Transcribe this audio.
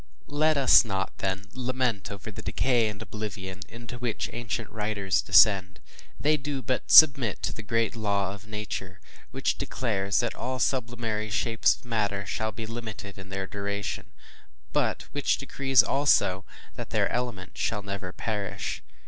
Let us not then, lament over the decay and oblivion into which ancient writers descend; they do but submit to the great law of Nature, which declares that all sublunary shapes of matter shall be limited in their duration, but which decrees, also, that their element shall never perish.